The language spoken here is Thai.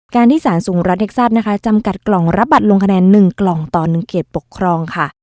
การที่สารสูงรัฐเท็กซัสนะคะจำกัดกล่องรับบัตรลงคะแนน๑กล่องต่อ๑เขตปกครองค่ะ